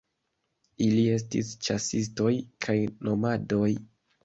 Ili estis ĉasistoj kaj nomadoj.